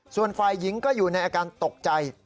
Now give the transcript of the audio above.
ส่วนฝ่ายหญิงก็อยู่ในอาการตกใจ